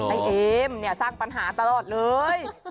ไอ้เอมเนี่ยสร้างปัญหาตลอดเลย